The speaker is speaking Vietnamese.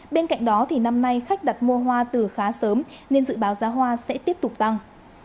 bên cạnh đó thì năm nay khách đặt mua hoa từ khá sớm nên dự báo giá hoa sẽ tiếp tục tăng